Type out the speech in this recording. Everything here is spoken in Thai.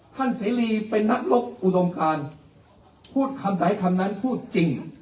เสรีเป็นนักรบอุดมการพูดคำใดคำนั้นพูดจริง